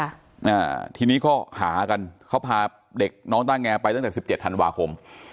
อ่าทีนี้ก็หากันเขาพาเด็กน้องต้าแงไปตั้งแต่สิบเจ็ดธันวาคม